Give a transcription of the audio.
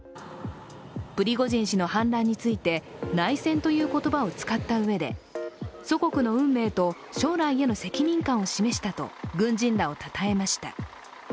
プリゴジン氏の反乱について、内戦という言葉を使ったうえで祖国の運命と将来への責任感を示したと、軍人らをたたえました。